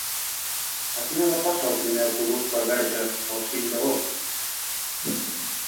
A quina hora passa el primer autobús per Verges el cinc d'agost?